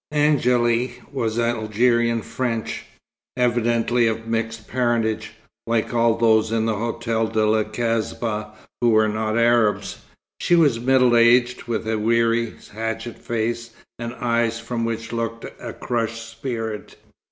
Angéle was Algerian French, evidently of mixed parentage, like all those in the Hotel de la Kasbah who were not Arabs. She was middle aged, with a weary, hatchet face, and eyes from which looked a crushed spirit.